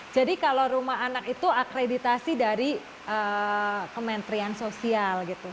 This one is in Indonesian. jadi kalau rumah anak itu akreditasi dari kementrian sosial